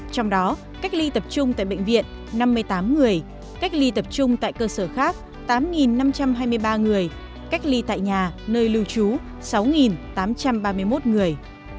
trong đó cách ly tập trung tại bệnh viện năm mươi tám người cách ly tập trung tại cơ sở khác tám năm trăm hai mươi ba người cách ly tại nhà nơi lưu trú sáu tám trăm ba mươi một người